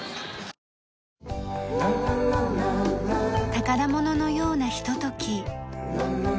宝物のようなひととき。